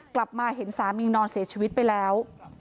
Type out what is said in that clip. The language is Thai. กลับมาเห็นสามีนอนเสียชีวิตไปแล้ว